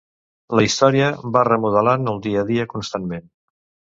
La història va remodelant el dia a dia constantment.